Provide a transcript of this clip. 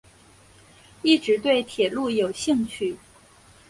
一直对铁路有兴趣。